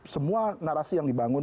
semua narasi yang dibangun